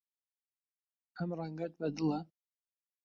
ئەم ڕەنگەت بەدڵە؟